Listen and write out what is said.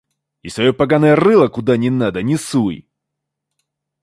И своё поганое рыло, куда не надо, не суй!